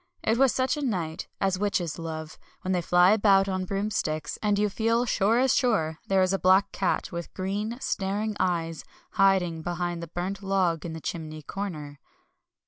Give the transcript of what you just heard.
It was such a night as witches love, when they fly about on broomsticks, and you feel sure as sure there is a black cat with green, staring eyes, hiding behind the burnt log in the chimney corner.